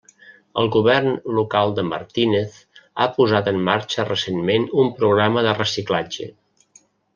El govern local de Martínez ha posat en marxa recentment un programa de reciclatge.